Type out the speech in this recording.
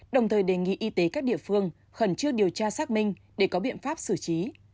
đồng thời đề nghị y tế các địa phương khẩn trương điều tra xác minh để có biện pháp xử trí